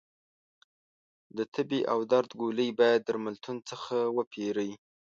د تبې او درد ګولۍ باید درملتون څخه وپېری